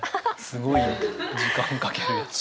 すごい時間かける。